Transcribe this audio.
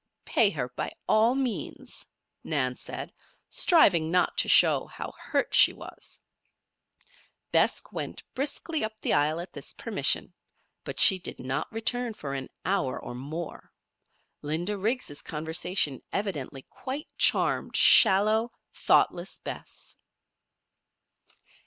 "Pay her by all means," Nan said, striving not to show how hurt she was. Bess briskly went up the aisle at this permission; but she did not return for an hour or more. Linda Riggs' conversation evidently quite charmed shallow, thoughtless Bess.